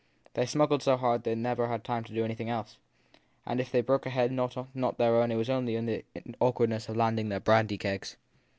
They smuggled so hard that they never had time to do any thing else ; and if they broke a head not their own it was only in the awkwardness of landing their brandy kegs.